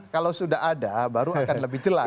kalau sudah ada baru akan lebih jelas